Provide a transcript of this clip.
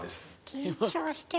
緊張してる。